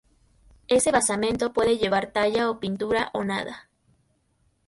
Ese basamento puede llevar talla o pintura o nada.